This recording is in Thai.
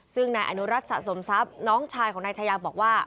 ซึ่งนายอนุรักษ์สะสมทรัพย์น้องชายของนายชายาบอกว่า